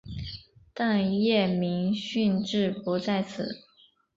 但叶明勋志不在此。